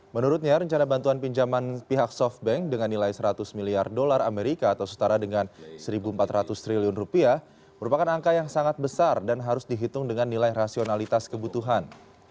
menurutnya rencana bantuan pinjaman pihak softbank dengan nilai seratus miliar dolar amerika atau setara dengan satu empat ratus triliun rupiah merupakan angka yang sangat besar dan harus dihitung dengan nilai rasionalitas kebutuhan